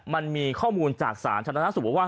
มันมีข้อมูลจากสารชำนาคตสูตรว่า